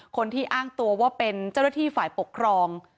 คนที่อ้างตัวว่าเป็นเจ้าหน้าที่ฝ่ายปกครอง